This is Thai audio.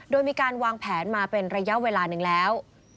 โดยมีการวางแผนมาเป็นระยะเวลาหนึ่งแล้ว